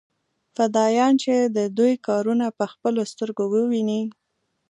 فدايان چې د دوى کارونه په خپلو سترګو وويني.